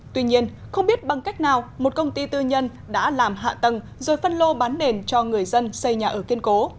tuy nhiên không biết bằng cách nào một công ty tư nhân đã làm hạ tầng rồi phân lô bán nền cho người dân xây nhà ở kiên cố